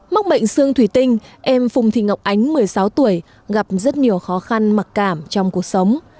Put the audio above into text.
mắc bệnh sương thủy tinh em phùng thị ngọc ánh một mươi sáu tuổi gặp rất nhiều khó khăn mặc cảm trong cuộc sống